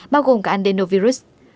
bao gồm cả adenovirus